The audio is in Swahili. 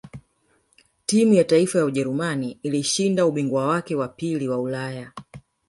timu ya taifa ya ujerumani ilishinda ubingwa wake wa pili wa ulaya